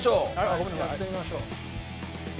僕らもやってみましょう。